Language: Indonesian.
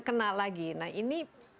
kena lagi nah ini